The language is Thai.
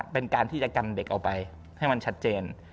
เป็นการที่จะกันเด็กออกไปให้มันชัดเจน